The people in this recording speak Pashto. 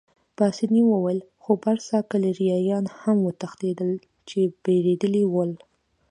پاسیني وویل: خو برساګلیریایان هم وتښتېدل، چې بېرېدلي ول.